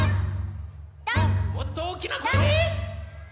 もっとおおきなこえで！